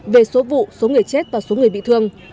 về số vụ số người chết và số người bị thương